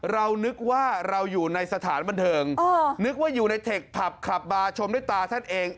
เรานึกว่าเราอยู่ในสถานบันเทิงนึกว่าอยู่ในเทคผับขับบาร์ชมด้วยตาท่านเอง